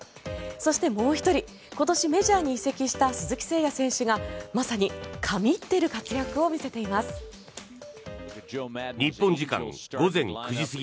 そして、もう１人今年、メジャーに移籍した鈴木誠也選手がまさに神ってる活躍を見せています。